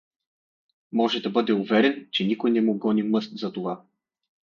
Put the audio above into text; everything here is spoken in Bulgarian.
Може да бъде уверен, че никой не му гони мъст за това.